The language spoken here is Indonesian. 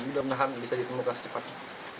mudah mudahan bisa ditemukan secepatnya